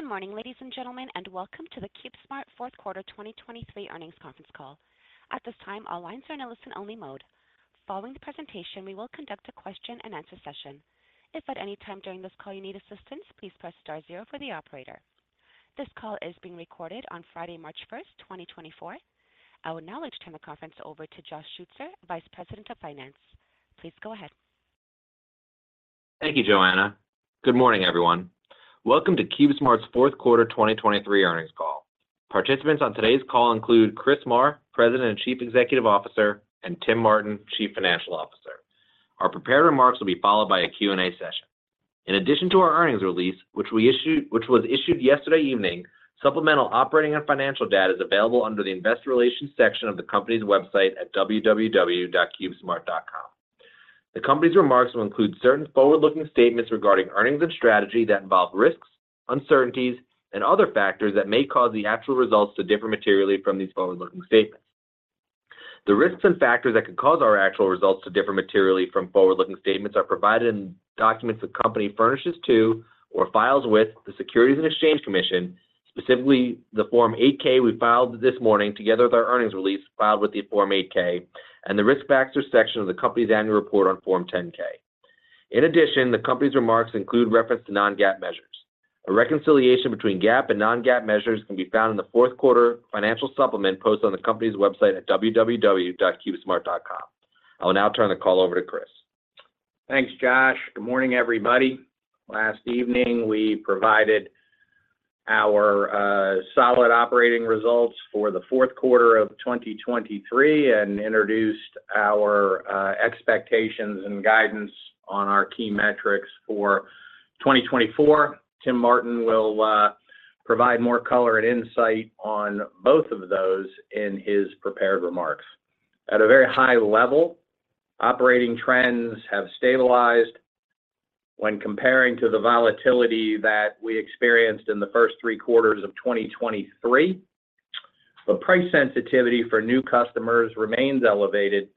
Good morning, ladies and gentlemen, and welcome to the CubeSmart Fourth Quarter 2023 Earnings Conference Call. At this time, all lines are in a listen-only mode. Following the presentation, we will conduct a question-and-answer session. If at any time during this call you need assistance, please press star zero for the operator. This call is being recorded on Friday, March 1st, 2024. I would now like to turn the conference over to Josh Schutzer, Vice President of Finance. Please go ahead. Thank you, Joanna. Good morning, everyone. Welcome to CubeSmart's Fourth Quarter 2023 Earnings Call. Participants on today's call include Chris Marr, President and Chief Executive Officer, and Tim Martin, Chief Financial Officer. Our prepared remarks will be followed by a Q&A session. In addition to our earnings release, which we issued which was issued yesterday evening, supplemental operating and financial data is available under the investor relations section of the company's website at www.cubesmart.com. The company's remarks will include certain forward-looking statements regarding earnings and strategy that involve risks, uncertainties, and other factors that may cause the actual results to differ materially from these forward-looking statements. The risks and factors that could cause our actual results to differ materially from forward-looking statements are provided in documents the company furnishes to or files with the Securities and Exchange Commission, specifically the Form 8-K we filed this morning together with our earnings release filed with the Form 8-K, and the risk factors section of the company's annual report on Form 10-K. In addition, the company's remarks include reference to non-GAAP measures. A reconciliation between GAAP and non-GAAP measures can be found in the fourth quarter financial supplement posted on the company's website at www.cubesmart.com. I will now turn the call over to Chris. Thanks, Josh. Good morning, everybody. Last evening, we provided our solid operating results for the fourth quarter of 2023 and introduced our expectations and guidance on our key metrics for 2024. Tim Martin will provide more color and insight on both of those in his prepared remarks. At a very high level, operating trends have stabilized when comparing to the volatility that we experienced in the first three quarters of 2023. But price sensitivity for new customers remains elevated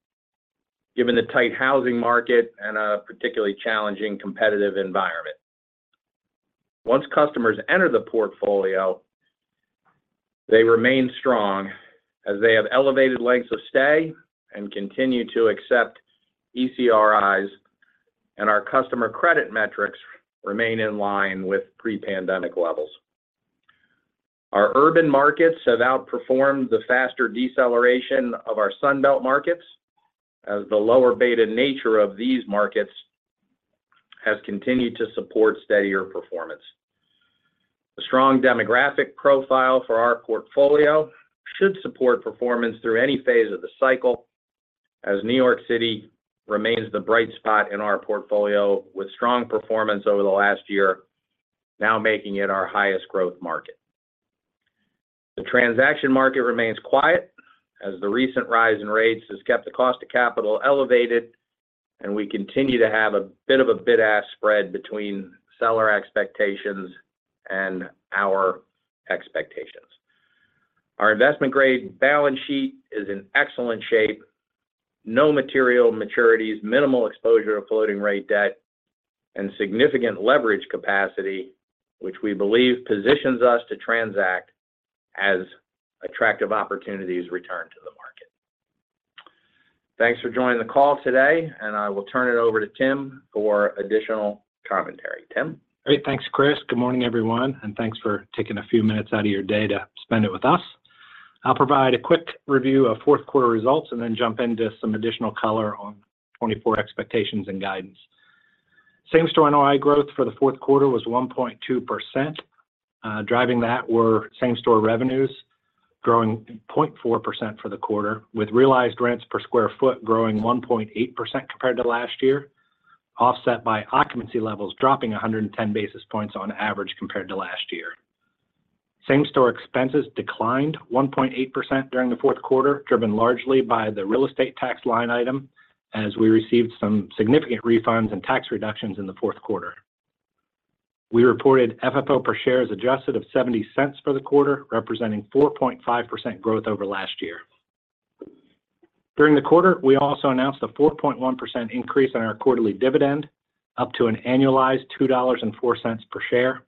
given the tight housing market and a particularly challenging competitive environment. Once customers enter the portfolio, they remain strong as they have elevated lengths of stay and continue to accept ECRIs, and our customer credit metrics remain in line with pre-pandemic levels. Our urban markets have outperformed the faster deceleration of our Sunbelt markets as the lower beta nature of these markets has continued to support steadier performance. A strong demographic profile for our portfolio should support performance through any phase of the cycle as New York City remains the bright spot in our portfolio with strong performance over the last year, now making it our highest growth market. The transaction market remains quiet as the recent rise in rates has kept the cost of capital elevated, and we continue to have a bit of a bid-ask spread between seller expectations and our expectations. Our investment-grade balance sheet is in excellent shape, no material maturities, minimal exposure to floating-rate debt, and significant leverage capacity, which we believe positions us to transact as attractive opportunities return to the market. Thanks for joining the call today, and I will turn it over to Tim for additional commentary. Tim? Great. Thanks, Chris. Good morning, everyone, and thanks for taking a few minutes out of your day to spend it with us. I'll provide a quick review of fourth quarter results and then jump into some additional color on 2024 expectations and guidance. Same-store NOI growth for the fourth quarter was 1.2%. Driving that were same-store revenues growing 0.4% for the quarter, with realized rents per sq ft growing 1.8% compared to last year, offset by occupancy levels dropping 110 basis points on average compared to last year. Same-store expenses declined 1.8% during the fourth quarter, driven largely by the real estate tax line item as we received some significant refunds and tax reductions in the fourth quarter. We reported FFO per share adjusted of $0.70 for the quarter, representing 4.5% growth over last year. During the quarter, we also announced a 4.1% increase in our quarterly dividend up to an annualized $2.04 per share.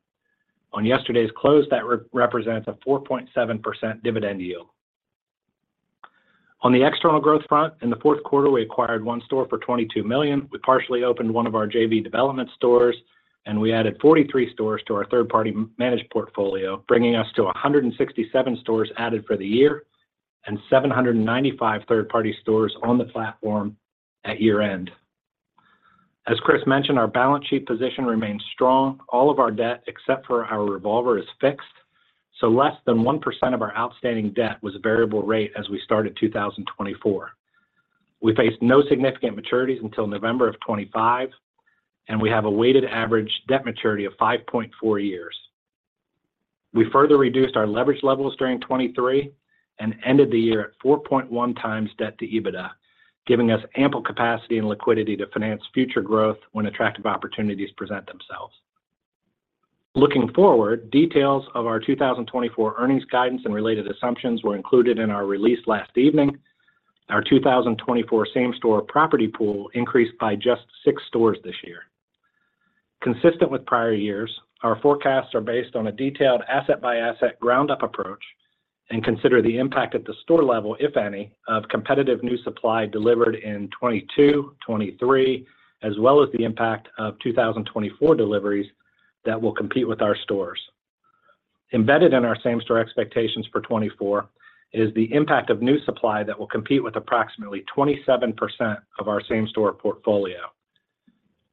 On yesterday's close, that represents a 4.7% dividend yield. On the external growth front, in the fourth quarter, we acquired one store for $22 million. We partially opened one of our JV development stores, and we added 43 stores to our third-party managed portfolio, bringing us to 167 stores added for the year and 795 third-party stores on the platform at year-end. As Chris mentioned, our balance sheet position remains strong. All of our debt, except for our revolver, is fixed, so less than 1% of our outstanding debt was variable rate as we started 2024. We faced no significant maturities until November of 2025, and we have a weighted average debt maturity of 5.4 years. We further reduced our leverage levels during 2023 and ended the year at 4.1 times debt to EBITDA, giving us ample capacity and liquidity to finance future growth when attractive opportunities present themselves. Looking forward, details of our 2024 earnings guidance and related assumptions were included in our release last evening. Our 2024 same-store property pool increased by just six stores this year. Consistent with prior years, our forecasts are based on a detailed asset-by-asset ground-up approach and consider the impact at the store level, if any, of competitive new supply delivered in 2022, 2023, as well as the impact of 2024 deliveries that will compete with our stores. Embedded in our same-store expectations for 2024 is the impact of new supply that will compete with approximately 27% of our same-store portfolio.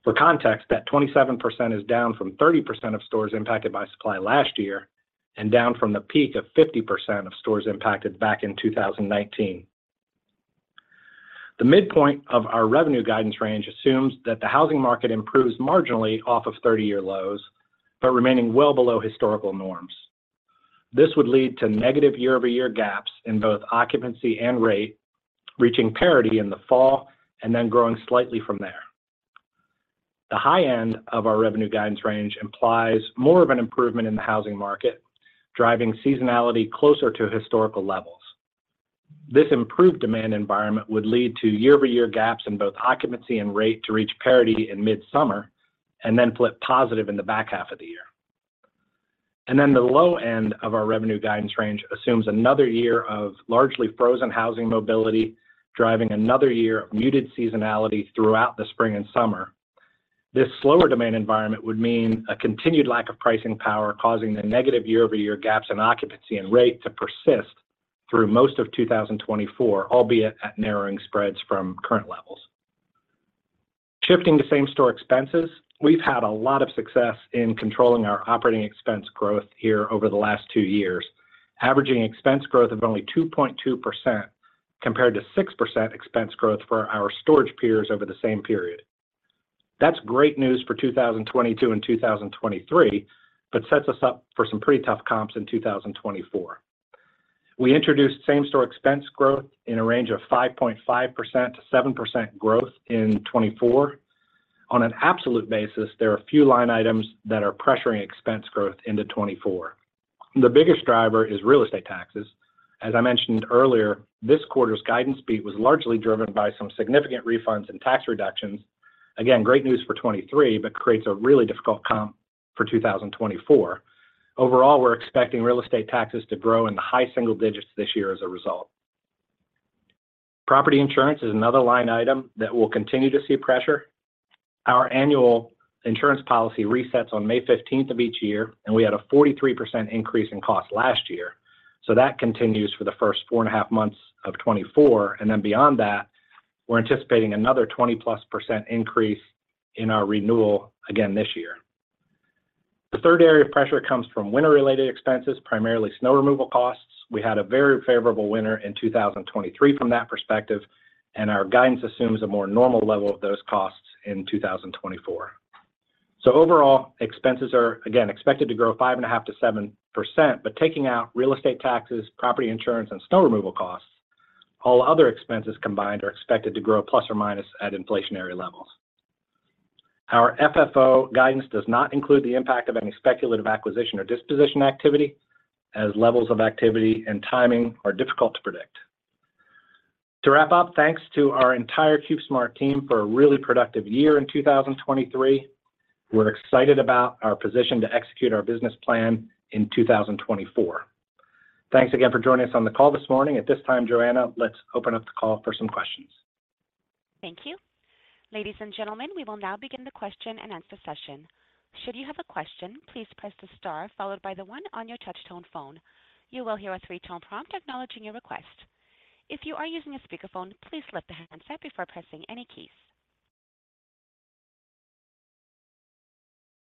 For context, that 27% is down from 30% of stores impacted by supply last year and down from the peak of 50% of stores impacted back in 2019. The midpoint of our revenue guidance range assumes that the housing market improves marginally off of 30-year lows but remaining well below historical norms. This would lead to negative year-over-year gaps in both occupancy and rate, reaching parity in the fall and then growing slightly from there. The high end of our revenue guidance range implies more of an improvement in the housing market, driving seasonality closer to historical levels. This improved demand environment would lead to year-over-year gaps in both occupancy and rate to reach parity in mid-summer and then flip positive in the back half of the year. Then the low end of our revenue guidance range assumes another year of largely frozen housing mobility, driving another year of muted seasonality throughout the spring and summer. This slower demand environment would mean a continued lack of pricing power, causing the negative year-over-year gaps in occupancy and rate to persist through most of 2024, albeit at narrowing spreads from current levels. Shifting to same-store expenses, we've had a lot of success in controlling our operating expense growth here over the last two years, averaging expense growth of only 2.2% compared to 6% expense growth for our storage peers over the same period. That's great news for 2022 and 2023 but sets us up for some pretty tough comps in 2024. We introduced same-store expense growth in a range of 5.5% to 7% growth in 2024. On an absolute basis, there are a few line items that are pressuring expense growth into 2024. The biggest driver is real estate taxes. As I mentioned earlier, this quarter's guidance beat was largely driven by some significant refunds and tax reductions. Again, great news for 2023 but creates a really difficult comp for 2024. Overall, we're expecting real estate taxes to grow in the high single digits this year as a result. Property insurance is another line item that will continue to see pressure. Our annual insurance policy resets on May 15th of each year, and we had a 43% increase in cost last year, so that continues for the first four and a half months of 2024. And then beyond that, we're anticipating another 20%+ increase in our renewal again this year. The third area of pressure comes from winter-related expenses, primarily snow removal costs. We had a very favorable winter in 2023 from that perspective, and our guidance assumes a more normal level of those costs in 2024. So overall, expenses are, again, expected to grow 5.5%-7%, but taking out real estate taxes, property insurance, and snow removal costs, all other expenses combined are expected to grow ± at inflationary levels. Our FFO guidance does not include the impact of any speculative acquisition or disposition activity as levels of activity and timing are difficult to predict. To wrap up, thanks to our entire CubeSmart team for a really productive year in 2023. We're excited about our position to execute our business plan in 2024. Thanks again for joining us on the call this morning. At this time, Joanna, let's open up the call for some questions. Thank you. Ladies and gentlemen, we will now begin the question-and-answer session. Should you have a question, please press the star followed by the 1 on your touch-tone phone. You will hear a three-tone prompt acknowledging your request. If you are using a speakerphone, please lift the handset up before pressing any keys.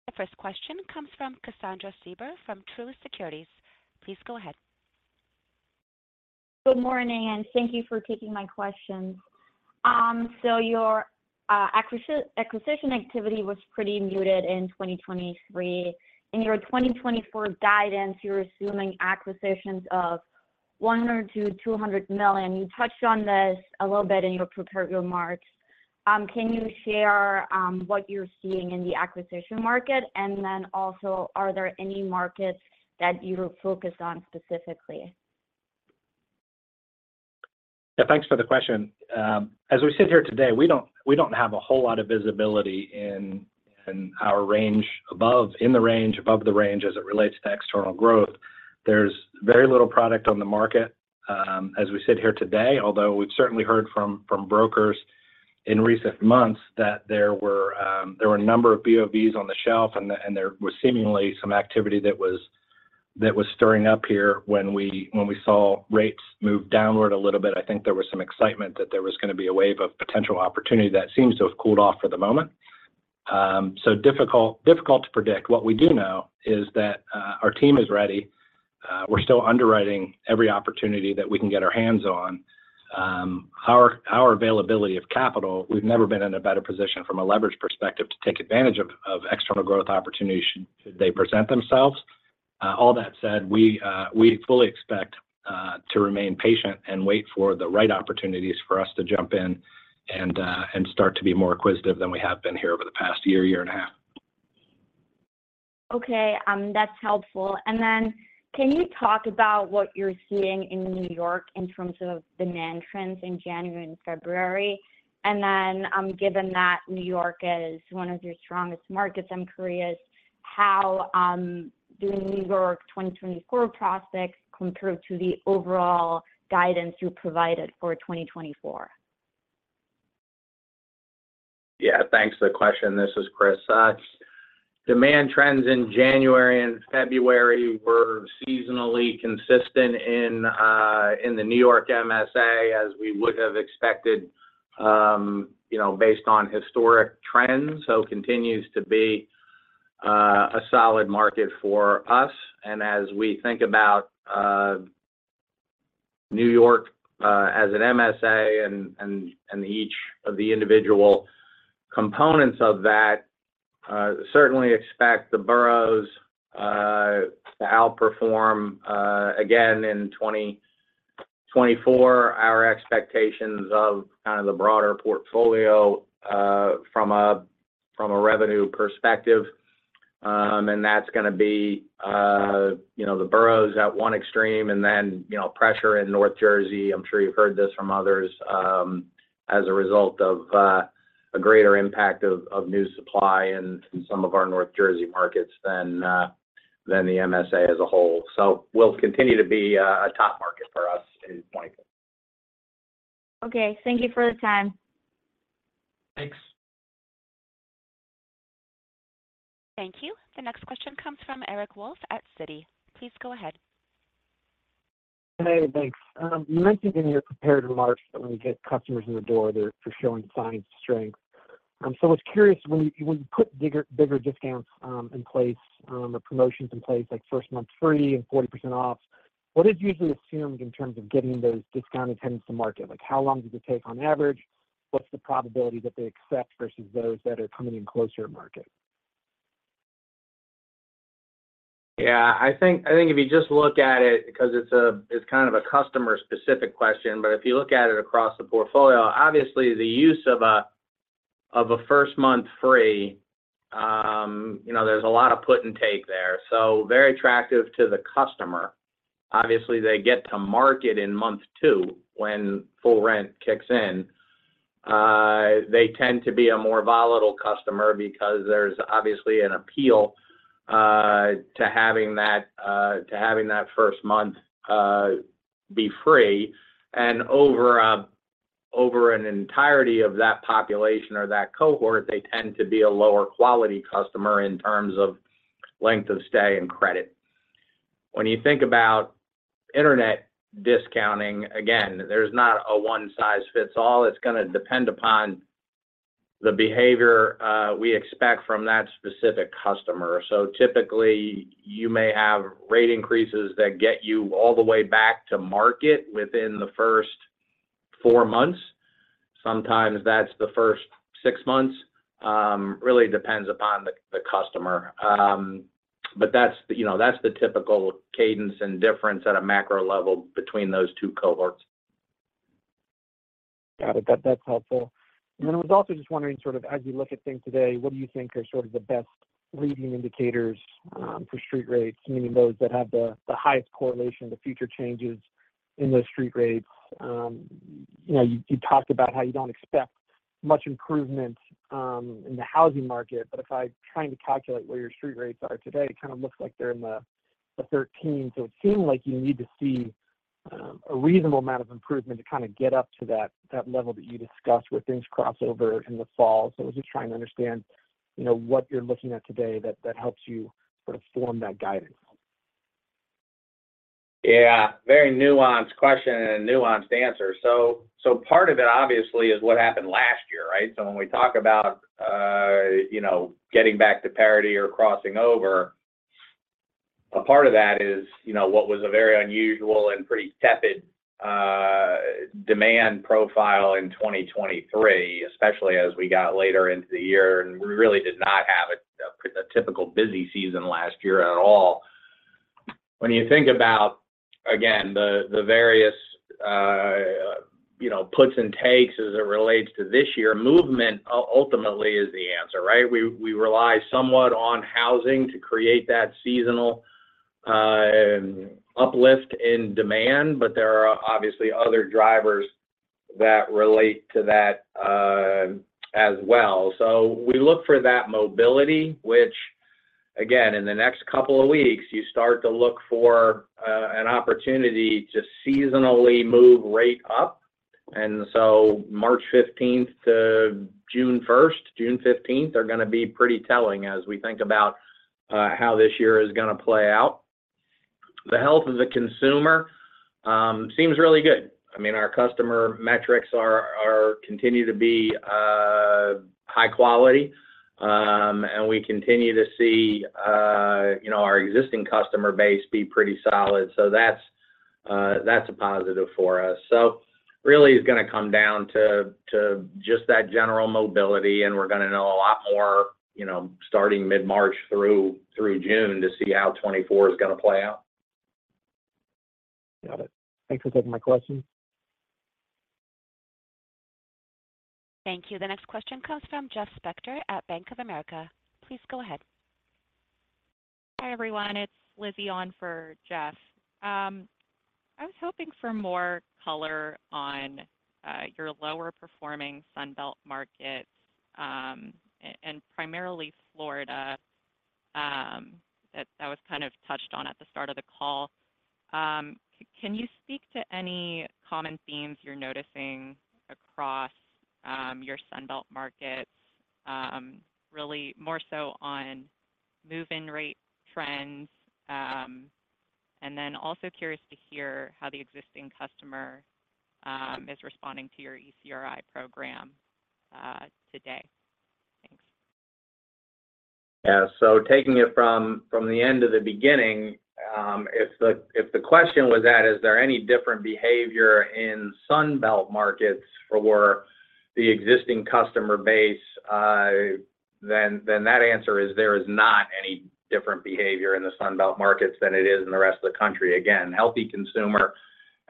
The first question comes from Kassandra Fieber from Truist Securities. Please go ahead. Good morning, and thank you for taking my questions. Your acquisition activity was pretty muted in 2023. In your 2024 guidance, you're assuming acquisitions of $100 million to $200 million. You touched on this a little bit in your prepared remarks. Can you share what you're seeing in the acquisition market? And then also, are there any markets that you're focused on specifically? Yeah. Thanks for the question. As we sit here today, we don't have a whole lot of visibility in our range above in the range above the range as it relates to external growth. There's very little product on the market as we sit here today, although we've certainly heard from brokers in recent months that there were a number of BOVs on the shelf, and there was seemingly some activity that was stirring up here when we saw rates move downward a little bit. I think there was some excitement that there was going to be a wave of potential opportunity that seems to have cooled off for the moment. So difficult to predict. What we do know is that our team is ready. We're still underwriting every opportunity that we can get our hands on. Our availability of capital, we've never been in a better position from a leverage perspective to take advantage of external growth opportunities should they present themselves. All that said, we fully expect to remain patient and wait for the right opportunities for us to jump in and start to be more acquisitive than we have been here over the past year, year and a half. Okay. That's helpful. And then can you talk about what you're seeing in New York in terms of demand trends in January and February? And then given that New York is one of your strongest markets, I'm curious how do New York 2024 prospects compare to the overall guidance you provided for 2024? Yeah. Thanks for the question. This is Chris. Demand trends in January and February were seasonally consistent in the New York MSA as we would have expected based on historic trends, so continues to be a solid market for us. And as we think about New York as an MSA and each of the individual components of that, certainly expect the boroughs to outperform. Again, in 2024, our expectations of kind of the broader portfolio from a revenue perspective, and that's going to be the boroughs at one extreme and then pressure in North Jersey. I'm sure you've heard this from others as a result of a greater impact of new supply in some of our North Jersey markets than the MSA as a whole. So will continue to be a top market for us in 2024. Okay. Thank you for the time. Thanks. Thank you. The next question comes from Eric Wolfe at Citi. Please go ahead. Hey. Thanks. You mentioned in your prepared remarks that when you get customers in the door, they're showing signs of strength. So I was curious, when you put bigger discounts in place or promotions in place like first month free and 40% off, what is usually assumed in terms of getting those discounted heads to market? How long does it take on average? What's the probability that they accept versus those that are coming in closer to market? Yeah. I think if you just look at it because it's kind of a customer-specific question, but if you look at it across the portfolio, obviously, the use of a first month free, there's a lot of put and take there. So very attractive to the customer. Obviously, they get to market in month two when full rent kicks in. They tend to be a more volatile customer because there's obviously an appeal to having that first month be free. And over an entirety of that population or that cohort, they tend to be a lower-quality customer in terms of length of stay and credit. When you think about internet discounting, again, there's not a one-size-fits-all. It's going to depend upon the behavior we expect from that specific customer. So typically, you may have rate increases that get you all the way back to market within the first four months. Sometimes that's the first six months. Really depends upon the customer. But that's the typical cadence and difference at a macro level between those two cohorts. Got it. That's helpful. And then I was also just wondering, sort of as you look at things today, what do you think are sort of the best leading indicators for street rates, meaning those that have the highest correlation, the future changes in those street rates? You talked about how you don't expect much improvement in the housing market, but if I'm trying to calculate where your street rates are today, it kind of looks like they're in the 13. So it seemed like you need to see a reasonable amount of improvement to kind of get up to that level that you discussed where things cross over in the fall. So I was just trying to understand what you're looking at today that helps you sort of form that guidance. Yeah. Very nuanced question and a nuanced answer. So part of it, obviously, is what happened last year, right? So when we talk about getting back to parity or crossing over, a part of that is what was a very unusual and pretty tepid demand profile in 2023, especially as we got later into the year, and we really did not have a typical busy season last year at all. When you think about, again, the various puts and takes as it relates to this year, movement ultimately is the answer, right? We rely somewhat on housing to create that seasonal uplift in demand, but there are obviously other drivers that relate to that as well. So we look for that mobility, which, again, in the next couple of weeks, you start to look for an opportunity to seasonally move rate up. And so March 15th to June 1st, June 15th, are going to be pretty telling as we think about how this year is going to play out. The health of the consumer seems really good. I mean, our customer metrics continue to be high quality, and we continue to see our existing customer base be pretty solid. So that's a positive for us. So really, it's going to come down to just that general mobility, and we're going to know a lot more starting mid-March through June to see how 2024 is going to play out. Got it. Thanks for taking my questions. Thank you. The next question comes from Jeff Spector at Bank of America. Please go ahead. Hi, everyone. It's Lizzy on for Jeff. I was hoping for more color on your lower-performing Sunbelt markets and primarily Florida. That was kind of touched on at the start of the call. Can you speak to any common themes you're noticing across your Sunbelt markets, really more so on move-in rate trends? And then also curious to hear how the existing customer is responding to your ECRI program today. Thanks. Yeah. So taking it from the end to the beginning, if the question was at, "Is there any different behavior in Sunbelt markets for the existing customer base?" then that answer is there is not any different behavior in the Sunbelt markets than it is in the rest of the country. Again, healthy consumer,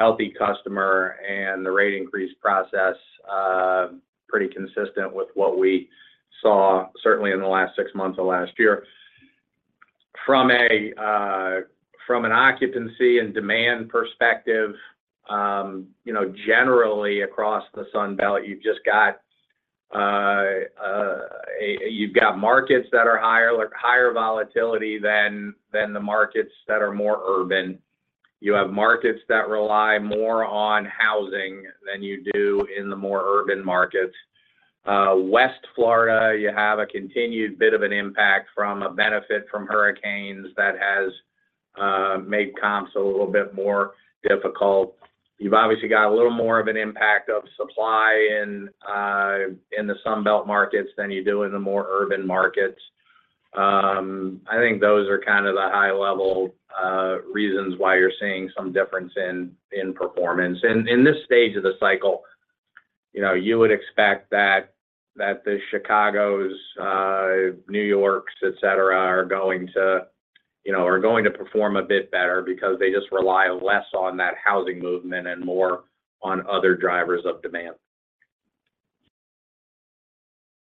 healthy customer, and the rate increase process pretty consistent with what we saw, certainly in the last six months of last year. From an occupancy and demand perspective, generally across the Sunbelt, you've got markets that are higher volatility than the markets that are more urban. You have markets that rely more on housing than you do in the more urban markets. West Florida, you have a continued bit of an impact from a benefit from hurricanes that has made comps a little bit more difficult. You've obviously got a little more of an impact of supply in the Sunbelt markets than you do in the more urban markets. I think those are kind of the high-level reasons why you're seeing some difference in performance. In this stage of the cycle, you would expect that the Chicagos, New Yorks, etc., are going to perform a bit better because they just rely less on that housing movement and more on other drivers of demand.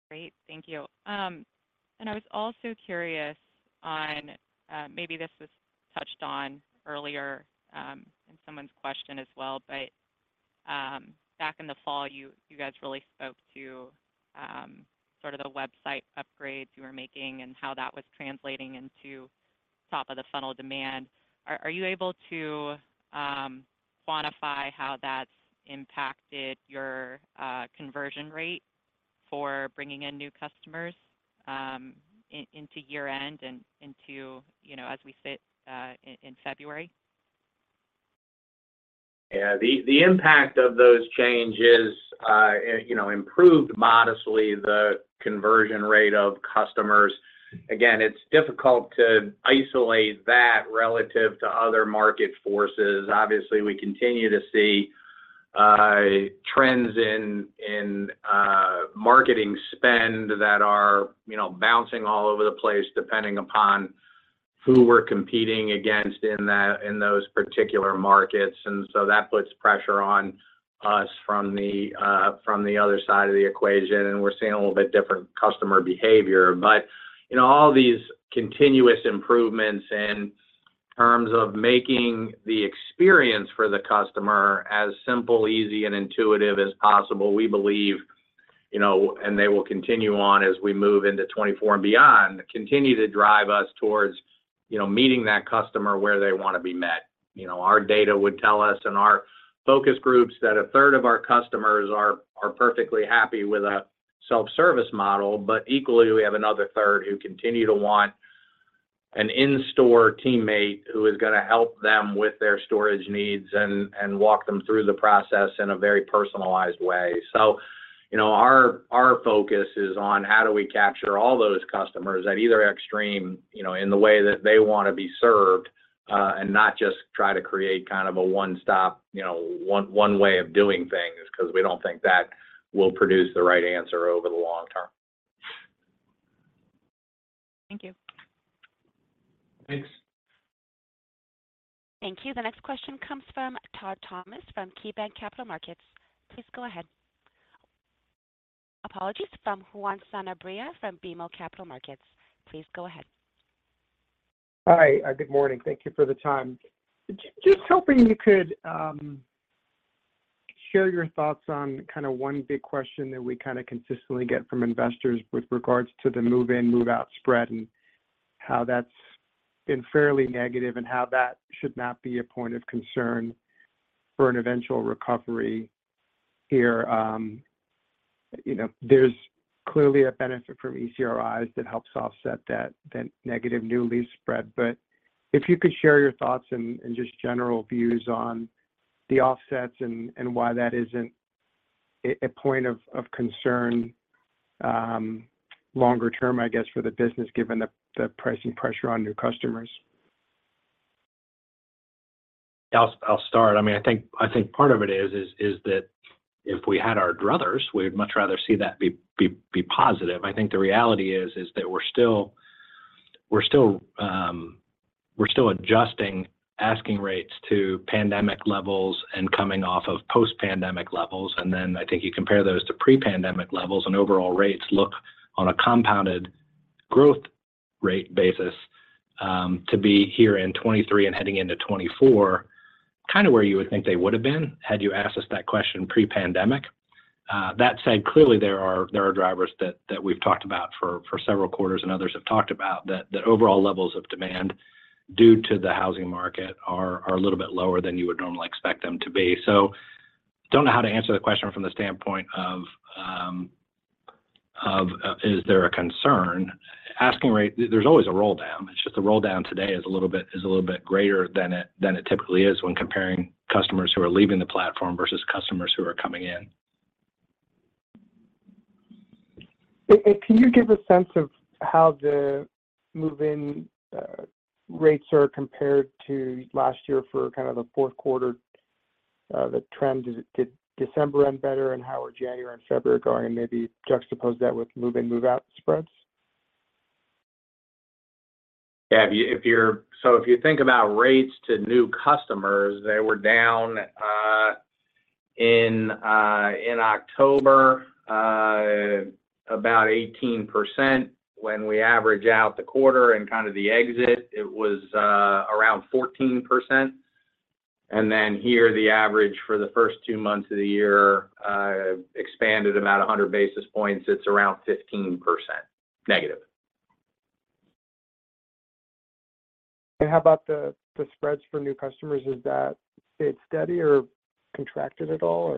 Great. Thank you. And I was also curious on maybe this was touched on earlier in someone's question as well, but back in the fall, you guys really spoke to sort of the website upgrades you were making and how that was translating into top-of-the-funnel demand. Are you able to quantify how that's impacted your conversion rate for bringing in new customers into year-end and into as we sit in February? Yeah. The impact of those changes improved modestly the conversion rate of customers. Again, it's difficult to isolate that relative to other market forces. Obviously, we continue to see trends in marketing spend that are bouncing all over the place depending upon who we're competing against in those particular markets. And so that puts pressure on us from the other side of the equation, and we're seeing a little bit different customer behavior. But all these continuous improvements in terms of making the experience for the customer as simple, easy, and intuitive as possible, we believe, and they will continue on as we move into 2024 and beyond, continue to drive us towards meeting that customer where they want to be met. Our data would tell us in our focus groups that a third of our customers are perfectly happy with a self-service model, but equally, we have another third who continue to want an in-store teammate who is going to help them with their storage needs and walk them through the process in a very personalized way. So our focus is on how do we capture all those customers at either extreme in the way that they want to be served and not just try to create kind of a one-stop, one-way of doing things because we don't think that will produce the right answer over the long term. Thank you. Thanks. Thank you. The next question comes from Todd Thomas from KeyBanc Capital Markets. Please go ahead. Apologies from Juan Sanabria from BMO Capital Markets. Please go ahead. Hi. Good morning. Thank you for the time. Just hoping you could share your thoughts on kind of one big question that we kind of consistently get from investors with regards to the move-in, move-out spread and how that's been fairly negative and how that should not be a point of concern for an eventual recovery here. There's clearly a benefit from ECRIs that helps offset that negative new lease spread. But if you could share your thoughts and just general views on the offsets and why that isn't a point of concern longer term, I guess, for the business given the pricing pressure on new customers. I'll start. I mean, I think part of it is that if we had our druthers, we would much rather see that be positive. I think the reality is that we're still adjusting asking rates to pandemic levels and coming off of post-pandemic levels. And then I think you compare those to pre-pandemic levels, and overall rates look on a compounded growth rate basis to be here in 2023 and heading into 2024 kind of where you would think they would have been had you asked us that question pre-pandemic. That said, clearly, there are drivers that we've talked about for several quarters and others have talked about that overall levels of demand due to the housing market are a little bit lower than you would normally expect them to be. I don't know how to answer the question from the standpoint of, "Is there a concern?" There's always a roll-down. It's just the roll-down today is a little bit greater than it typically is when comparing customers who are leaving the platform versus customers who are coming in. Can you give a sense of how the move-in rates are compared to last year for kind of the fourth quarter? The trend, did December end better, and how are January and February going? And maybe juxtapose that with move-in, move-out spreads? Yeah. So if you think about rates to new customers, they were down in October about 18%. When we average out the quarter and kind of the exit, it was around 14%. And then here, the average for the first two months of the year expanded about 100 basis points. It's around -15%. How about the spreads for new customers? Is that stayed steady or contracted at all,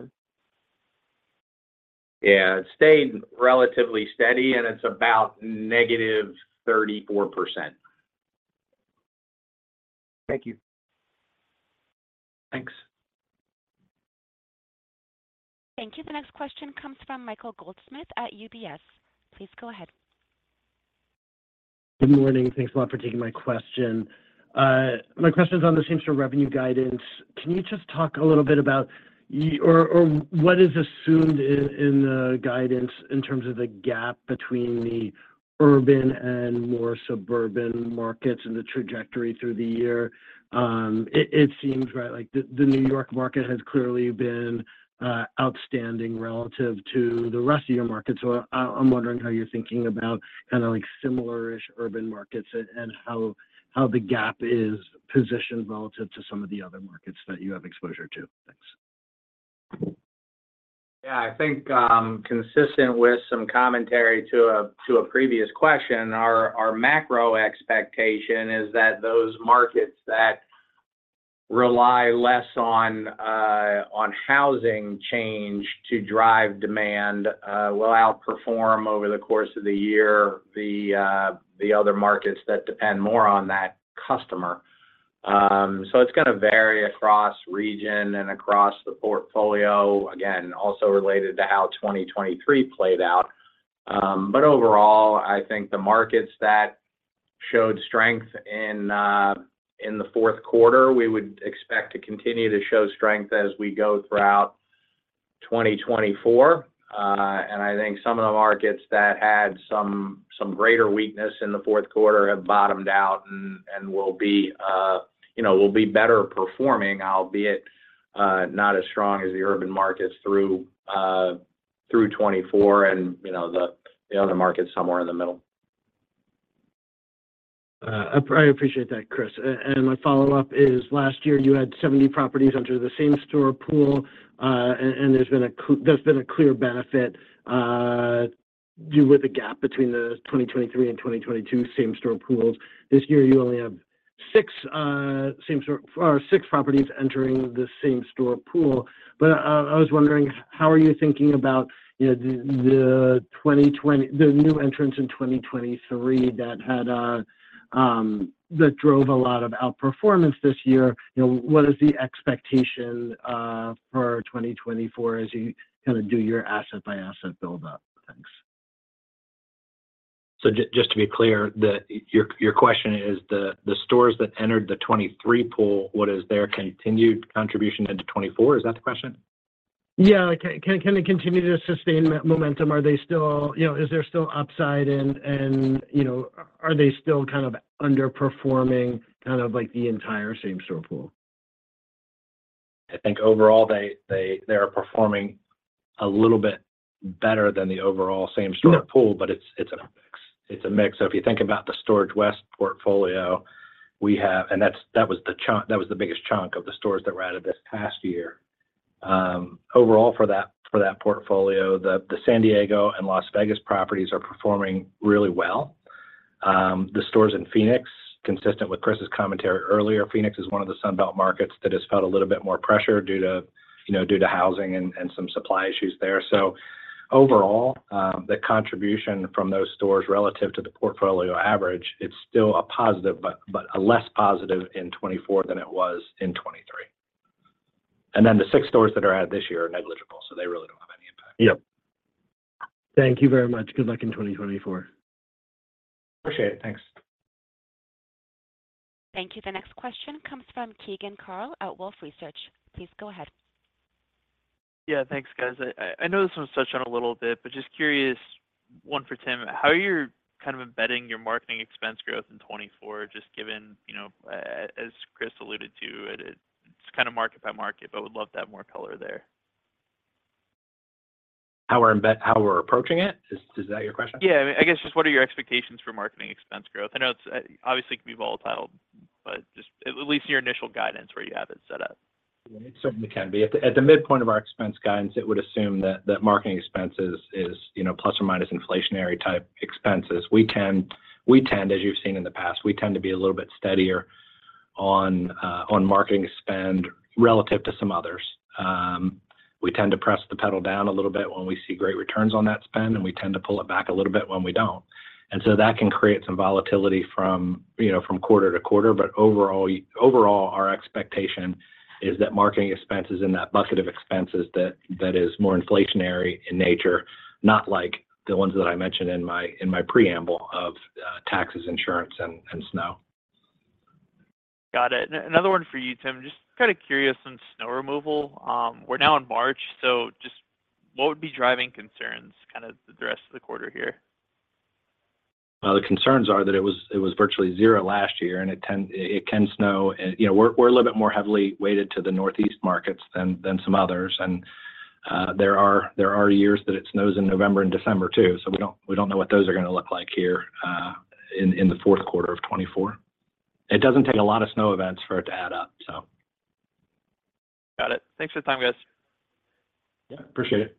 or? Yeah. It stayed relatively steady, and it's about -34%. Thank you. Thanks. Thank you. The next question comes from Michael Goldsmith at UBS. Please go ahead. Good morning. Thanks a lot for taking my question. My question is on the same sort of revenue guidance. Can you just talk a little bit about or what is assumed in the guidance in terms of the gap between the urban and more suburban markets and the trajectory through the year? It seems, right, like the New York market has clearly been outstanding relative to the rest of your markets. So I'm wondering how you're thinking about kind of similar-ish urban markets and how the gap is positioned relative to some of the other markets that you have exposure to. Thanks. Yeah. I think consistent with some commentary to a previous question, our macro expectation is that those markets that rely less on housing change to drive demand will outperform over the course of the year the other markets that depend more on that customer. So it's going to vary across region and across the portfolio, again, also related to how 2023 played out. But overall, I think the markets that showed strength in the fourth quarter, we would expect to continue to show strength as we go throughout 2024. And I think some of the markets that had some greater weakness in the fourth quarter have bottomed out and will be better performing, albeit not as strong as the urban markets through 2024 and the other markets somewhere in the middle. I appreciate that, Chris. My follow-up is last year, you had 70 properties under the same-store pool, and there's been a clear benefit with the gap between the 2023 and 2022 same-store pools. This year, you only have six properties entering the same-store pool. I was wondering, how are you thinking about the new entrants in 2023 that drove a lot of outperformance this year? What is the expectation for 2024 as you kind of do your asset-by-asset buildup? Thanks. Just to be clear, your question is the stores that entered the 2023 pool, what is their continued contribution into 2024? Is that the question? Yeah. Can they continue to sustain momentum? Are they still? Is there still upside, and are they still kind of underperforming kind of the entire same-store pool? I think overall, they are performing a little bit better than the overall same-store pool, but it's a mix. It's a mix. So if you think about the Storage West portfolio, we have and that was the biggest chunk of the stores that were added this past year. Overall, for that portfolio, the San Diego and Las Vegas properties are performing really well. The stores in Phoenix, consistent with Chris's commentary earlier, Phoenix is one of the Sunbelt markets that has felt a little bit more pressure due to housing and some supply issues there. So overall, the contribution from those stores relative to the portfolio average, it's still a positive but a less positive in 2024 than it was in 2023. And then the 6 stores that are added this year are negligible, so they really don't have any impact. Yep. Thank you very much. Good luck in 2024. Appreciate it. Thanks. Thank you. The next question comes from Keegan Carl at Wolfe Research. Please go ahead. Yeah. Thanks, guys. I know this one's touched on a little bit, but just curious, one for Tim, how are you kind of embedding your marketing expense growth in 2024 just given, as Chris alluded to, it's kind of market-by-market, but would love to have more color there? How we're approaching it? Is that your question? Yeah. I mean, I guess just what are your expectations for marketing expense growth? I know it obviously can be volatile, but at least your initial guidance where you have it set up. It certainly can be. At the midpoint of our expense guidance, it would assume that marketing expense is plus or minus inflationary-type expenses. As you've seen in the past, we tend to be a little bit steadier on marketing spend relative to some others. We tend to press the pedal down a little bit when we see great returns on that spend, and we tend to pull it back a little bit when we don't. And so that can create some volatility from quarter to quarter. But overall, our expectation is that marketing expense is in that bucket of expenses that is more inflationary in nature, not like the ones that I mentioned in my preamble of taxes, insurance, and snow. Got it. Another one for you, Tim. Just kind of curious on snow removal. We're now in March, so just what would be driving concerns kind of the rest of the quarter here? Well, the concerns are that it was virtually zero last year, and it can snow. We're a little bit more heavily weighted to the northeast markets than some others. There are years that it snows in November and December too, so we don't know what those are going to look like here in the fourth quarter of 2024. It doesn't take a lot of snow events for it to add up, so. Got it. Thanks for your time, guys. Yeah. Appreciate it.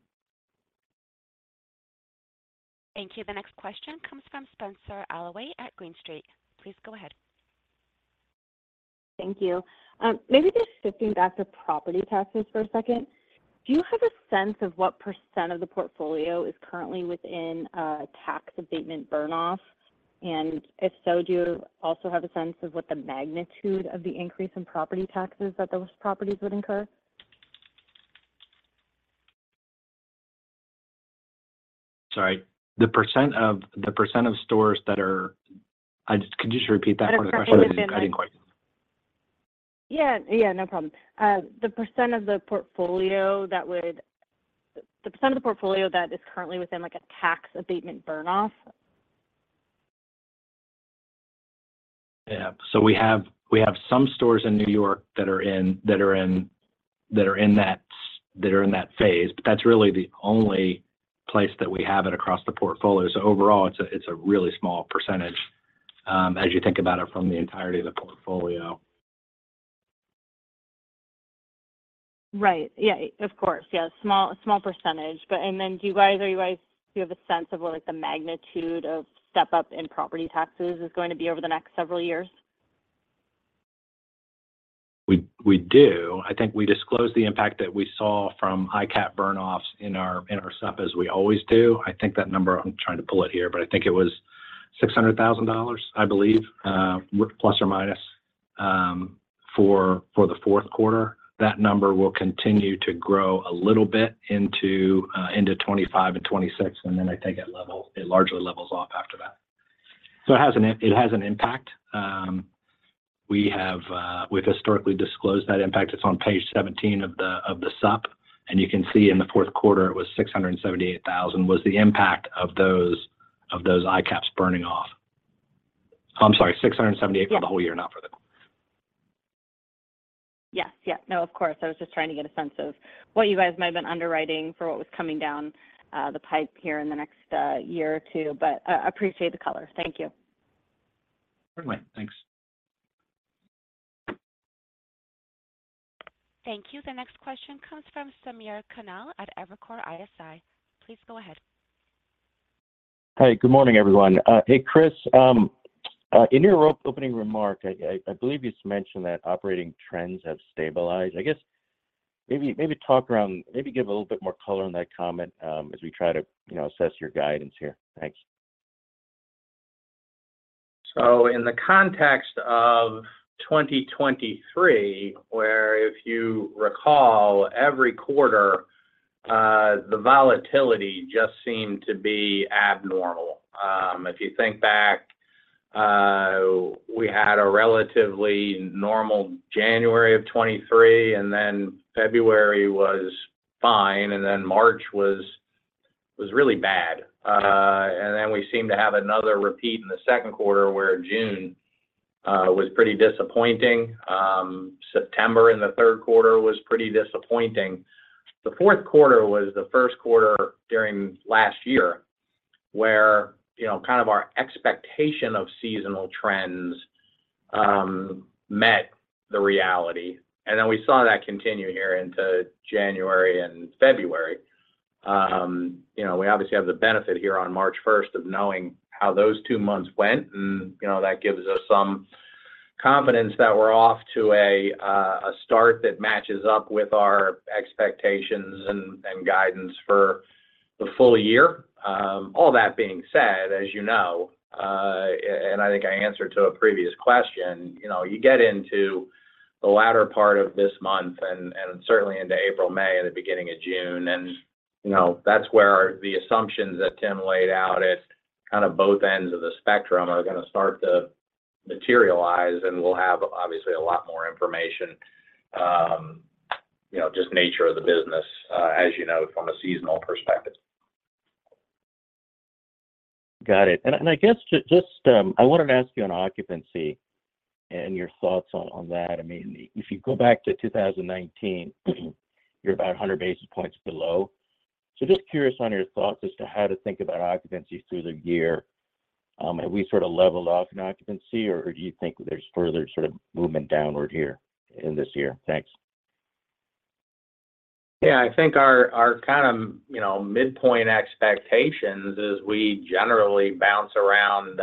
Thank you. The next question comes from Spenser Allaway at Green Street. Please go ahead. Thank you. Maybe just shifting back to property taxes for a second. Do you have a sense of what percent of the portfolio is currently within tax abatement burn-off? And if so, do you also have a sense of what the magnitude of the increase in property taxes that those properties would incur? Sorry. The percent of stores that are. Could you just repeat that part of the question? It was a guiding question. No problem. The percent of the portfolio that is currently within a tax abatement burn-off? Yeah. So we have some stores in New York that are in that phase, but that's really the only place that we have it across the portfolio. So overall, it's a really small percentage as you think about it from the entirety of the portfolio. Right. Yeah. Of course. Yeah. Small percentage. And then do you guys do you have a sense of what the magnitude of step-up in property taxes is going to be over the next several years? We do. I think we disclosed the impact that we saw from ICAP burn-offs in our Supp as we always do. I think that number I'm trying to pull it here, but I think it was $600,000, I believe, plus or minus, for the fourth quarter. That number will continue to grow a little bit into 2025 and 2026, and then I think it largely levels off after that. So it has an impact. We've historically disclosed that impact. It's on page 17 of the Supp, and you can see in the fourth quarter, it was $678,000 the impact of those ICAPs burning off. I'm sorry, $678,000 for the whole year, not for the quarter. Yes. No, of course. I was just trying to get a sense of what you guys might have been underwriting for what was coming down the pipe here in the next year or two, but I appreciate the color. Thank you. Certainly. Thanks. Thank you. The next question comes from Samir Khanal at Evercore ISI. Please go ahead. Hey. Good morning, everyone. Hey, Chris, in your opening remark, I believe you mentioned that operating trends have stabilized. I guess maybe talk around maybe give a little bit more color on that comment as we try to assess your guidance here? Thanks. So in the context of 2023, where if you recall, every quarter, the volatility just seemed to be abnormal. If you think back, we had a relatively normal January of 2023, and then February was fine, and then March was really bad. And then we seemed to have another repeat in the second quarter where June was pretty disappointing. September in the third quarter was pretty disappointing. The fourth quarter was the first quarter during last year where kind of our expectation of seasonal trends met the reality. And then we saw that continue here into January and February. We obviously have the benefit here on March 1st of knowing how those two months went, and that gives us some confidence that we're off to a start that matches up with our expectations and guidance for the full year. All that being said, as you know, and I think I answered to a previous question, you get into the latter part of this month and certainly into April, May, and the beginning of June, and that's where the assumptions that Tim laid out at kind of both ends of the spectrum are going to start to materialize, and we'll have obviously a lot more information, just nature of the business, as you know, from a seasonal perspective. Got it. I guess just I wanted to ask you on occupancy and your thoughts on that. I mean, if you go back to 2019, you're about 100 basis points below. So just curious on your thoughts as to how to think about occupancy through the year. Have we sort of leveled off in occupancy, or do you think there's further sort of movement downward here in this year? Thanks. Yeah. I think our kind of midpoint expectations is we generally bounce around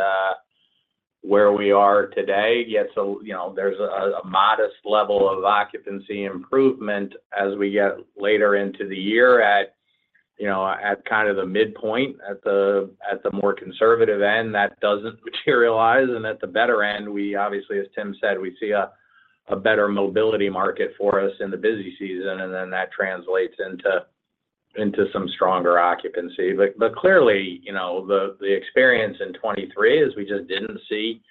where we are today. Yet there's a modest level of occupancy improvement as we get later into the year. At kind of the midpoint, at the more conservative end, that doesn't materialize. And at the better end, we obviously, as Tim said, we see a better mobility market for us in the busy season, and then that translates into some stronger occupancy. But clearly, the experience in 2023 is we just didn't see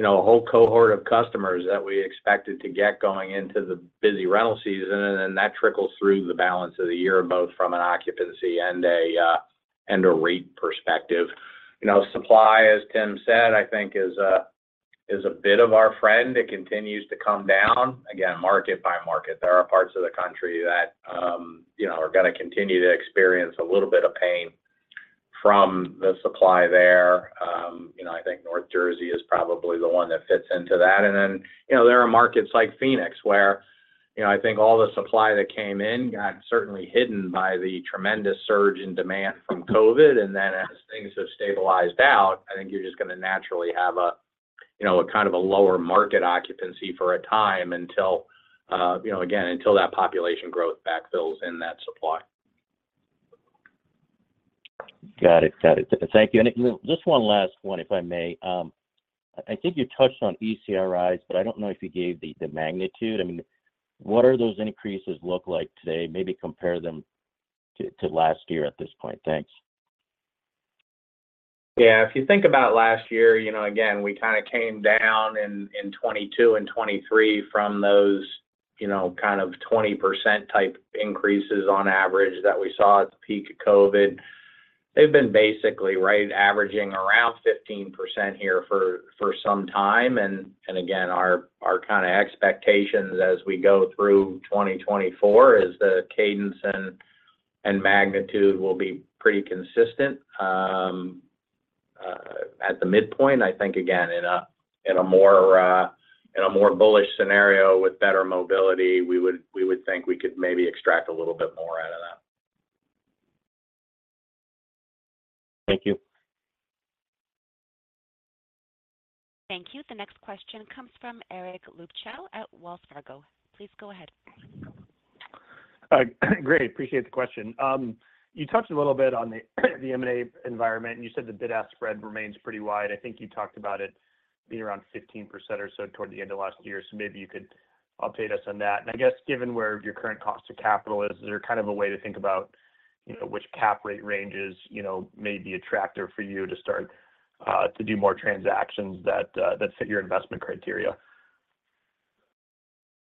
a whole cohort of customers that we expected to get going into the busy rental season, and then that trickles through the balance of the year both from an occupancy and a rate perspective. Supply, as Tim said, I think, is a bit of our friend. It continues to come down. Again, market by market, there are parts of the country that are going to continue to experience a little bit of pain from the supply there. I think North Jersey is probably the one that fits into that. And then there are markets like Phoenix where I think all the supply that came in got certainly hidden by the tremendous surge in demand from COVID. And then as things have stabilized out, I think you're just going to naturally have a kind of a lower market occupancy for a time, again, until that population growth backfills in that supply. Got it. Thank you. And just one last one, if I may. I think you touched on ECRIs, but I don't know if you gave the magnitude. I mean, what are those increases look like today? Maybe compare them to last year at this point. Thanks. Yeah. If you think about last year, again, we kind of came down in 2022 and 2023 from those kind of 20%-type increases on average that we saw at the peak of COVID. They've been basically right, averaging around 15% here for some time. And again, our kind of expectations as we go through 2024 is the cadence and magnitude will be pretty consistent at the midpoint. I think, again, in a more bullish scenario with better mobility, we would think we could maybe extract a little bit more out of that. Thank you. Thank you. The next question comes from Eric Luebchow at Wells Fargo. Please go ahead. Great. Appreciate the question. You touched a little bit on the M&A environment, and you said the bid-ask spread remains pretty wide. I think you talked about it being around 15% or so toward the end of last year, so maybe you could update us on that. And I guess given where your current cost of capital is, is there kind of a way to think about which cap rate range may be attractive for you to start to do more transactions that fit your investment criteria?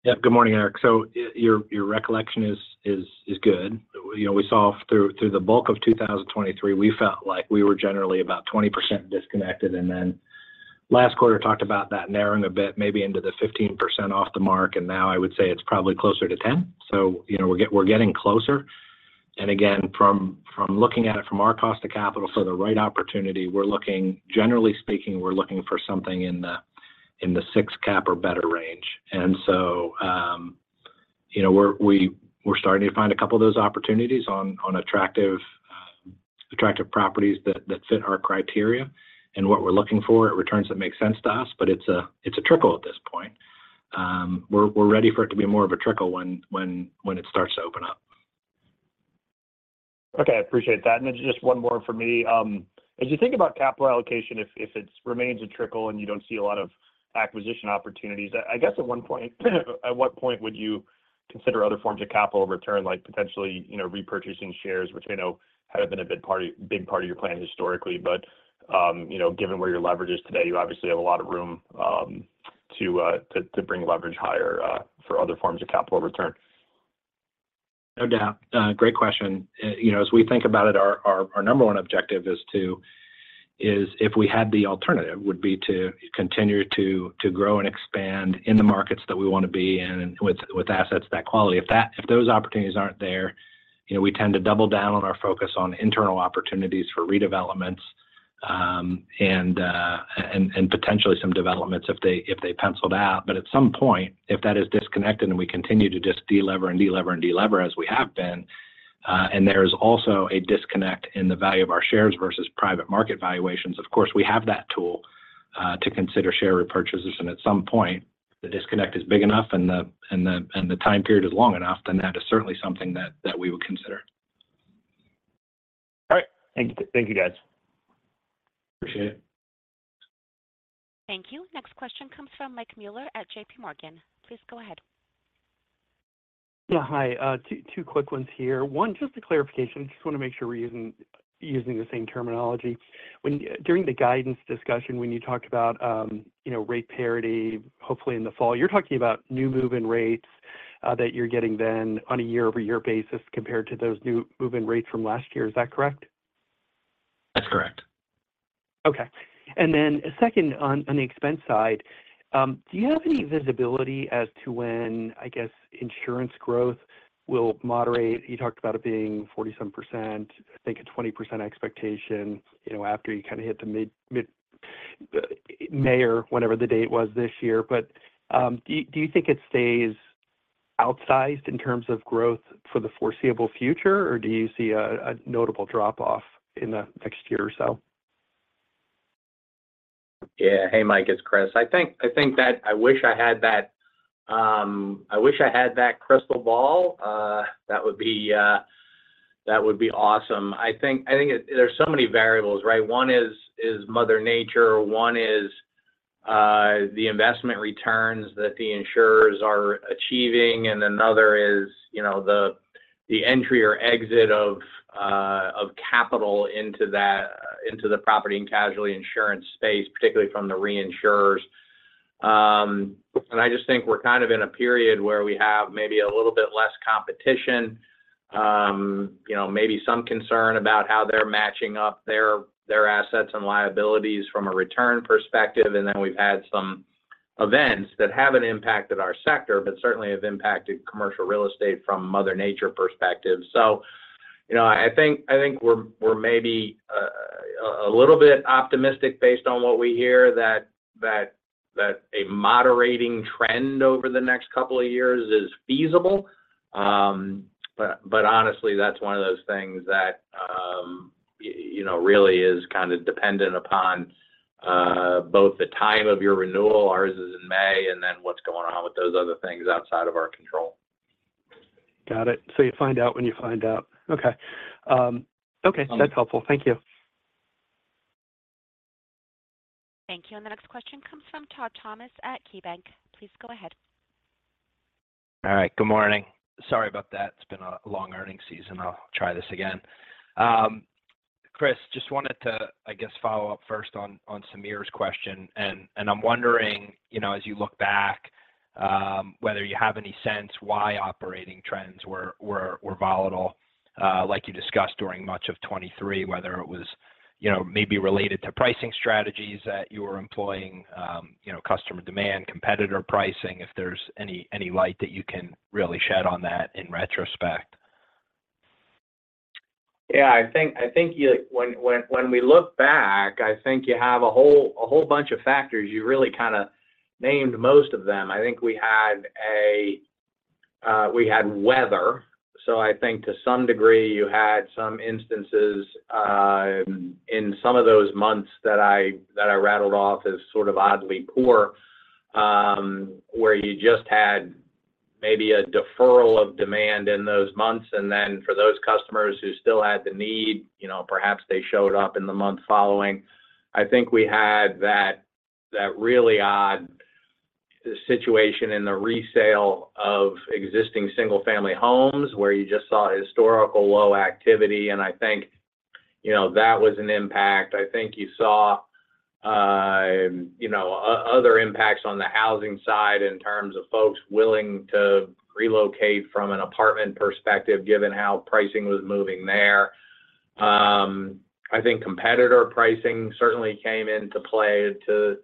Yep. Good morning, Eric. So your recollection is good. We saw through the bulk of 2023, we felt like we were generally about 20% disconnected. And then last quarter, talked about that narrowing a bit, maybe into the 15% off the mark, and now I would say it's probably closer to 10%. So we're getting closer. And again, from looking at it from our cost of capital for the right opportunity, generally speaking, we're looking for something in the 6 cap or better range. And so we're starting to find a couple of those opportunities on attractive properties that fit our criteria. And what we're looking for, it returns that make sense to us, but it's a trickle at this point. We're ready for it to be more of a trickle when it starts to open up. Okay. I appreciate that. And just one more for me. As you think about capital allocation, if it remains a trickle and you don't see a lot of acquisition opportunities, I guess at one point, at what point would you consider other forms of capital return, like potentially repurchasing shares, which I know had been a big part of your plan historically? But given where your leverage is today, you obviously have a lot of room to bring leverage higher for other forms of capital return. No doubt. Great question. As we think about it, our number one objective is if we had the alternative, would be to continue to grow and expand in the markets that we want to be in with assets of that quality. If those opportunities aren't there, we tend to double down on our focus on internal opportunities for redevelopments and potentially some developments if they penciled out. But at some point, if that is disconnected and we continue to just delever and delever and delever as we have been, and there is also a disconnect in the value of our shares versus private market valuations, of course, we have that tool to consider share repurchases. At some point, the disconnect is big enough and the time period is long enough, then that is certainly something that we would consider. All right. Thank you, guys. Appreciate it. Thank you. Next question comes from Mike Mueller at JPMorgan. Please go ahead. Yeah. Hi. Two quick ones here. One, just a clarification. I just want to make sure we're using the same terminology. During the guidance discussion, when you talked about rate parity, hopefully in the fall, you're talking about new move-in rates that you're getting then on a year-over-year basis compared to those new move-in rates from last year. Is that correct? That's correct. Okay. And then second, on the expense side, do you have any visibility as to when, I guess, insurance growth will moderate? You talked about it being 40-some percent, I think a 20% expectation after you kind of hit the mid-May, or whenever the date was this year. But do you think it stays outsized in terms of growth for the foreseeable future, or do you see a notable drop-off in the next year or so? Yeah. Hey, Mike. It's Chris. I think that I wish I had that I wish I had that crystal ball. That would be awesome. I think there's so many variables, right? One is Mother Nature. One is the investment returns that the insurers are achieving. And another is the entry or exit of capital into the property and casualty insurance space, particularly from the reinsurers. And I just think we're kind of in a period where we have maybe a little bit less competition, maybe some concern about how they're matching up their assets and liabilities from a return perspective. And then we've had some events that haven't impacted our sector, but certainly have impacted commercial real estate from Mother Nature perspective. So I think we're maybe a little bit optimistic based on what we hear that a moderating trend over the next couple of years is feasible. But honestly, that's one of those things that really is kind of dependent upon both the time of your renewal, ours is in May, and then what's going on with those other things outside of our control. Got it. So you find out when you find out. Okay. That's helpful. Thank you. Thank you. The next question comes from Todd Thomas at KeyBanc. Please go ahead. All right. Good morning. Sorry about that. It's been a long earnings season. I'll try this again. Chris, just wanted to, I guess, follow up first on Samir's question. I'm wondering, as you look back, whether you have any sense why operating trends were volatile, like you discussed during much of 2023, whether it was maybe related to pricing strategies that you were employing, customer demand, competitor pricing, if there's any light that you can really shed on that in retrospect. Yeah. I think when we look back, I think you have a whole bunch of factors. You really kind of named most of them. I think we had weather. So I think to some degree, you had some instances in some of those months that I rattled off as sort of oddly poor, where you just had maybe a deferral of demand in those months. And then for those customers who still had the need, perhaps they showed up in the month following. I think we had that really odd situation in the resale of existing single-family homes where you just saw historical low activity. And I think that was an impact. I think you saw other impacts on the housing side in terms of folks willing to relocate from an apartment perspective, given how pricing was moving there. I think competitor pricing certainly came into play to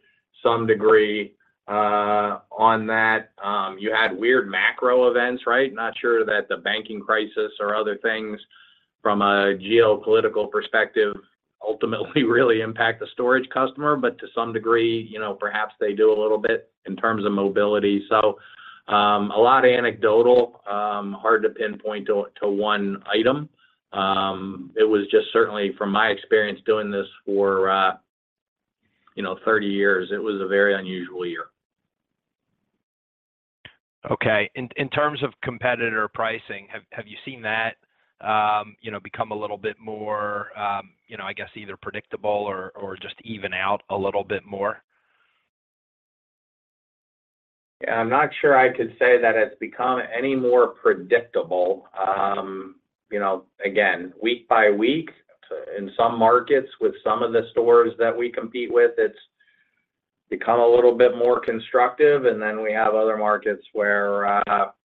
some degree on that. You had weird macro events, right? Not sure that the banking crisis or other things from a geopolitical perspective ultimately really impact the storage customer, but to some degree, perhaps they do a little bit in terms of mobility. So a lot anecdotal, hard to pinpoint to one item. It was just certainly, from my experience doing this for 30 years, it was a very unusual year. Okay. In terms of competitor pricing, have you seen that become a little bit more, I guess, either predictable or just even out a little bit more? Yeah. I'm not sure I could say that it's become any more predictable. Again, week by week, in some markets with some of the stores that we compete with, it's become a little bit more constructive. And then we have other markets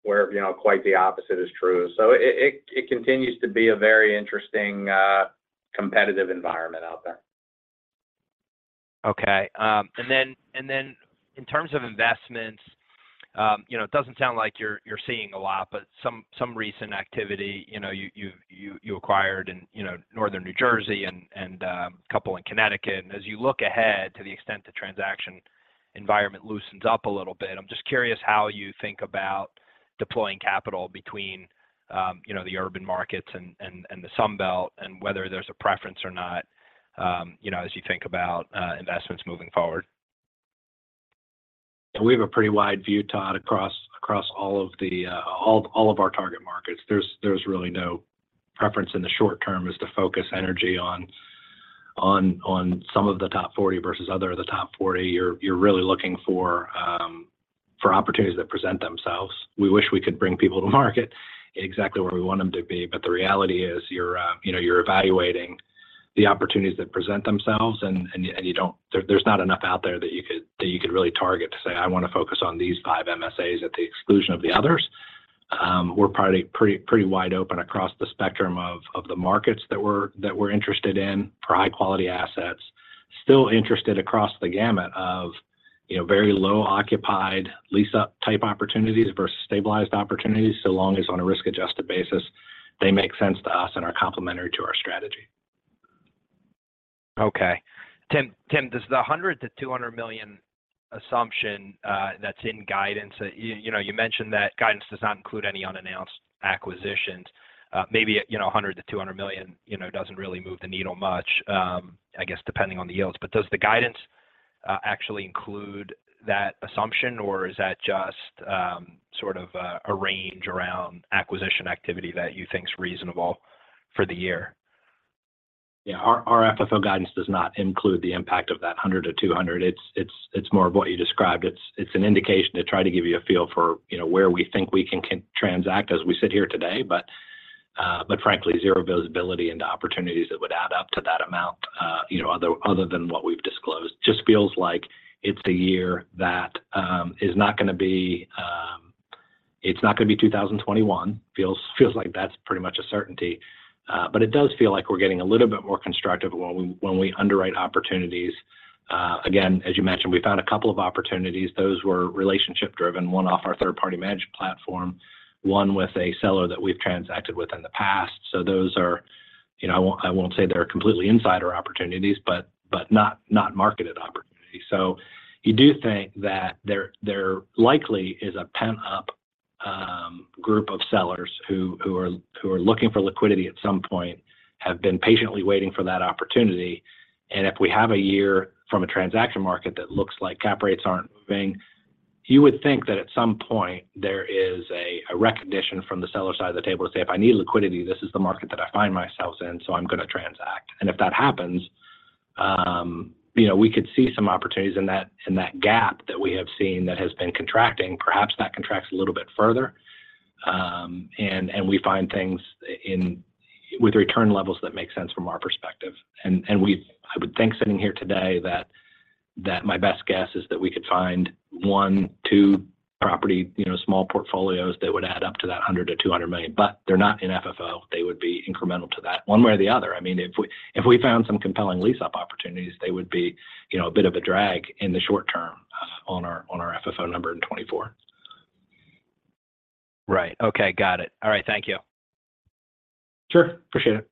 where quite the opposite is true. So it continues to be a very interesting competitive environment out there. Okay. And then in terms of investments, it doesn't sound like you're seeing a lot, but some recent activity you acquired in Northern New Jersey and a couple in Connecticut. And as you look ahead to the extent the transaction environment loosens up a little bit, I'm just curious how you think about deploying capital between the urban markets and the Sunbelt and whether there's a preference or not as you think about investments moving forward. Yeah. We have a pretty wide view, Todd, across all of our target markets. There's really no preference in the short term as to focus energy on some of the top 40 versus other of the top 40. You're really looking for opportunities that present themselves. We wish we could bring people to market exactly where we want them to be. But the reality is you're evaluating the opportunities that present themselves, and there's not enough out there that you could really target to say, "I want to focus on these five MSAs at the exclusion of the others." We're pretty wide open across the spectrum of the markets that we're interested in for high-quality assets, still interested across the gamut of very low-occupied lease-up type opportunities versus stabilized opportunities so long as on a risk-adjusted basis, they make sense to us and are complementary to our strategy. Okay. Tim, does the $100 million to $200 million assumption that's in guidance you mentioned that guidance does not include any unannounced acquisitions. Maybe $100 million to $200 million doesn't really move the needle much, I guess, depending on the yields. But does the guidance actually include that assumption, or is that just sort of a range around acquisition activity that you think's reasonable for the year? Yeah. Our FFO guidance does not include the impact of that $100 to $200. It's more of what you described. It's an indication to try to give you a feel for where we think we can transact as we sit here today. But frankly, zero visibility into opportunities that would add up to that amount other than what we've disclosed. Just feels like it's a year that is not going to be. It's not going to be 2021. Feels like that's pretty much a certainty. But it does feel like we're getting a little bit more constructive when we underwrite opportunities. Again, as you mentioned, we found a couple of opportunities. Those were relationship-driven, one off our third-party management platform, one with a seller that we've transacted with in the past. So those are, I won't say they're completely insider opportunities, but not marketed opportunities. So you do think that there likely is a pent-up group of sellers who are looking for liquidity at some point, have been patiently waiting for that opportunity. And if we have a year from a transaction market that looks like cap rates aren't moving, you would think that at some point, there is a recognition from the seller side of the table to say, "If I need liquidity, this is the market that I find myself in, so I'm going to transact." And if that happens, we could see some opportunities in that gap that we have seen that has been contracting. Perhaps that contracts a little bit further, and we find things with return levels that make sense from our perspective. I would think sitting here today that my best guess is that we could find one or two property small portfolios that would add up to that $100 million to $200 million. But they're not in FFO. They would be incremental to that one way or the other. I mean, if we found some compelling lease-up opportunities, they would be a bit of a drag in the short term on our FFO number in 2024. Right. Okay. Got it. All right. Thank you. Sure. Appreciate it.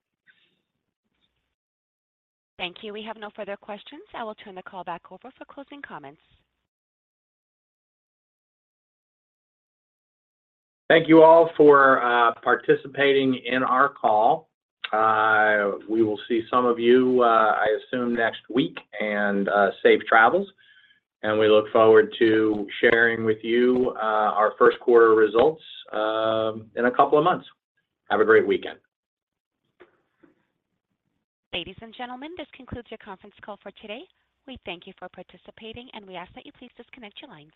Thank you. We have no further questions. I will turn the call back over for closing comments. Thank you all for participating in our call. We will see some of you, I assume, next week. Safe travels. We look forward to sharing with you our first quarter results in a couple of months. Have a great weekend. Ladies and gentlemen, this concludes your conference call for today. We thank you for participating, and we ask that you please disconnect your lines.